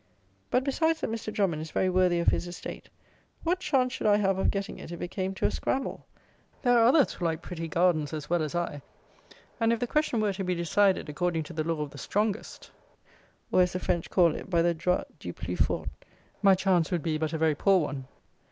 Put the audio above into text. But, besides that Mr. Drummond is very worthy of his estate, what chance should I have of getting it if it came to a scramble? There are others who like pretty gardens as well as I; and if the question were to be decided according to the law of the strongest, or, as the French call it, by the droit du plus fort, my chance would be but a very poor one.